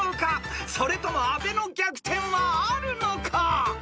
［それとも阿部の逆転はあるのか？］